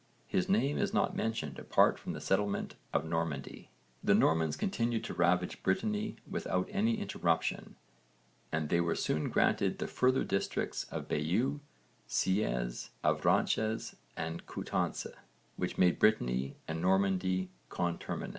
His name is not mentioned apart from the settlement of Normandy. The Normans continued to ravage Brittany without any interruption and they were soon granted the further districts of Bayeux, Seez, Avranches and Coutances, which made Brittany and Normandy conterminous.